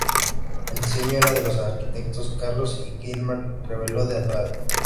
El diseño era de los arquitectos Carlos y Guilherme Rebelo de Andrade.